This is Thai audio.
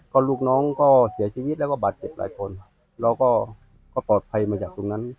ก็ลูกน้องก็เสียชีวิตแล้วก็บาดเจ็บหลายคนแล้วก็ก็ปลอดภัยมาจากตรงนั้น